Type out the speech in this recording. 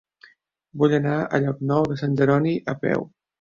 Vull anar a Llocnou de Sant Jeroni a peu.